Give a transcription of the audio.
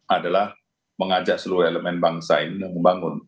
adalah mengajak seluruh elemen bangsa ini membangun